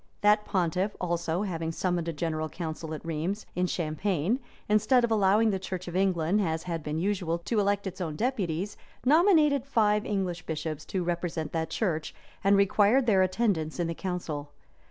That pontiff, also, having summoned a general council at Rheims, in Champagne, instead of allowing the church of England, as had been usual, to elect its own deputies, nominated five English bishops to represent that church, and required their attendance in the council.